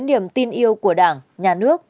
niềm tin yêu của đảng nhà nước